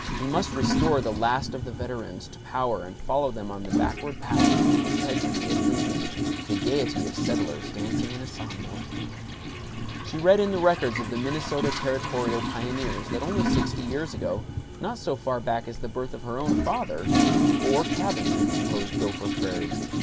We must restore the last of the veterans to power and follow them on the backward path to the integrity of Lincoln, to the gaiety of settlers dancing in a saw mill. She read in the records of the Minnesota Territorial Pioneers that only sixty years ago, not so far back as the birth of her own father, four cabins had composed Gopher Prairie.